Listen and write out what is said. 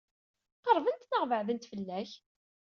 Qeṛbent neɣ beɛdent fell-ak?